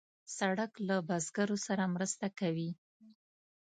سړک له بزګرو سره مرسته کوي.